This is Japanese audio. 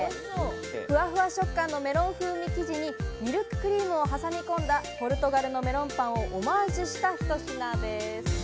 ふわふわ食感のメロン風味生地にミルククリームを挟み込んだ、ぽるとがるのメロンパンをオマージュしたひと品です。